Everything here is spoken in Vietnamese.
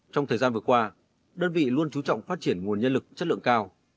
trong thời gian vừa qua đơn vị luôn trú trọng phát triển nguồn nhân lực chất lượng cao